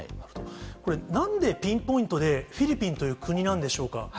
これ、なんでピンポイントで、フィリピンという国なんでしょうか。